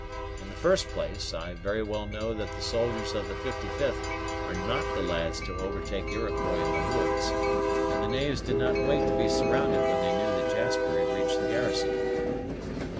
In the first place, I very well know that the soldiers of the 55th are not the lads to overtake Iroquois in the woods; and the knaves did not wait to be surrounded when they knew that Jasper had reached the garrison.